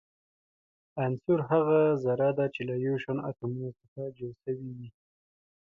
عنصر هغه ذره ده چي له يو شان اتومونو څخه جوړ سوی وي.